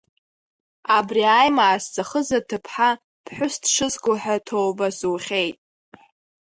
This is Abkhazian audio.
Абри аимаа зӡахыз аҭыԥҳа ԥҳәысс дшызго ҳәа ҭоуба зухьеит.